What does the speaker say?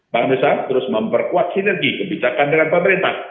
bank indonesia terus memperkuat sinergi kebijakan dengan pemerintah